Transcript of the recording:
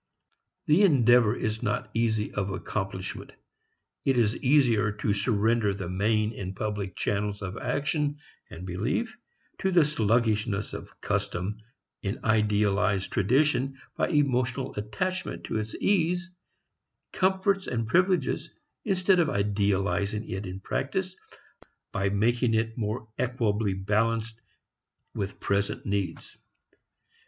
The endeavor is not easy of accomplishment. It is easier to surrender the main and public channels of action and belief to the sluggishness of custom, and idealize tradition by emotional attachment to its ease, comforts and privileges instead of idealizing it in practice by making it more equably balanced with present needs.